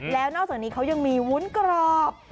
แล้วนอกจากนี้เขายังมีวุ้นกรอบ